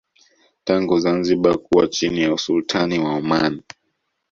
tangu Zanzibar kuwa chini ya Usultani wa Oman